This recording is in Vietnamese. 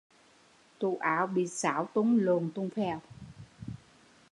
Tủ áo bị xáo tung lộn tùng phèo